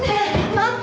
待って